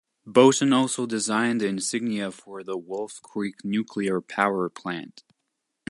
Bosin also designed the insignia for the Wolf Creek Nuclear power plant.